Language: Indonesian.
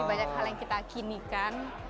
jadi banyak hal yang kita kinikan